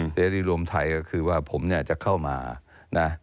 เสรีรวมไทยก็คือว่าผมเนี่ยจะเข้ามานะ